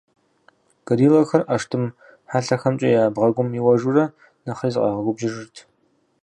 Гориллэхэр ӏэштӏым хьэлъэхэмкӏэ я бгъэгум иуэжурэ, нэхъри зыкъагъэгубжьыжырт.